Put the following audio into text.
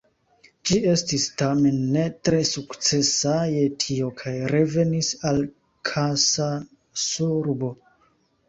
Ĝi estis tamen ne tre sukcesa je tio kaj revenis al Kansasurbo.